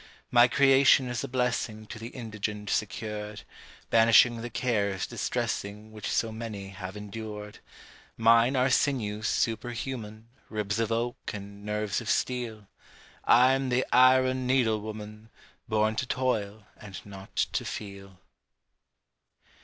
My creation is a blessing To the indigent secured, Banishing the cares distressing Which so many have endured: Mine are sinews superhuman, Ribs of oak and nerves of steel I'm the Iron Needle Woman Born to toil and not to feel.